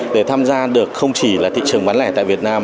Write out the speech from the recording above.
để tham gia được không chỉ là thị trường bán lẻ tại việt nam